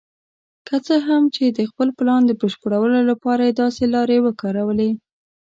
که څه هم چې د خپل پلان د بشپړولو لپاره یې داسې لارې وکارولې.